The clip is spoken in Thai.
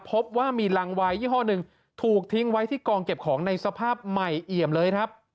พบว่ามีรังวายยี่ห้อหนึ่งถูกทิ้งไว้ที่กองเก็บของในสภาพใหม่เอี่ยมเลยครับ